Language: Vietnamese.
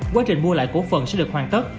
quá trình mua lại cổ phần sẽ được hoàn tất